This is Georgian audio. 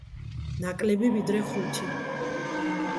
ნაკლები, ვიდრე ხუთი.